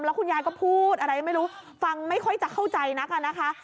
แล้วคุณยายก็พูดอะไรไม่รู้ฟังไม่ค่อยจะเข้าใจนักอะนะคะ